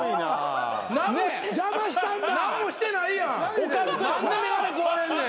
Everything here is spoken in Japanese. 何で眼鏡壊れんねん。